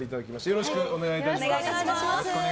よろしくお願いします。